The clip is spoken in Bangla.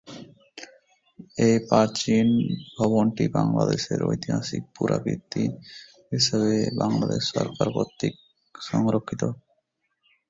এ প্রাচীন ভবনটি বাংলাদেশের ঐতিহাসিক পুরাকীর্তি হিসাবে বাংলাদেশ সরকার কর্তৃক সংরক্ষিত।